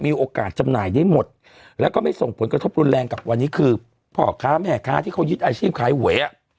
โอกาสจำหน่ายได้หมดแล้วก็ไม่ส่งผลกระทบรุนแรงกับวันนี้คือพ่อค้าแม่ค้าที่เขายึดอาชีพขายหวยอ่ะ